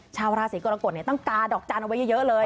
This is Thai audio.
ชาวราศีกรกฎเนี่ยต้องกาดอกจานออกไปเยอะเลย